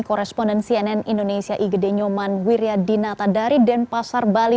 koresponden cnn indonesia igede nyoman wiryadinata dari denpasar bali